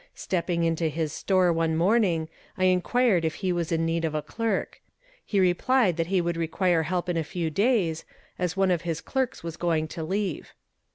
Stepping into his store one morning I inquired if he was in need of a clerk. He replied that he would require help in a few days, as one of his clerks was going to leave.